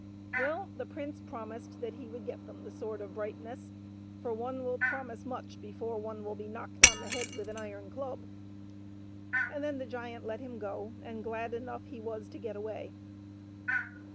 Well, the prince promised that he would get them the Sword of Bright ness, for one will promise much before one will be knocked on the head with an iron club ; and then the giant let him go, and glad enough he was to get away.